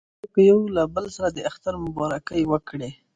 خلکو یو له بل سره د اختر مبارکۍ وکړې.